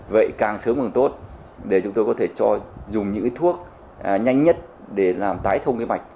vậy càng sớm càng tốt để chúng tôi có thể dùng những cái thuốc nhanh nhất để làm tái thông cái mạch